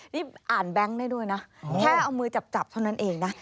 นี่อ่านแบงค์ได้ด้วยนะแค่เอามือจับเท่านั้นเองนะ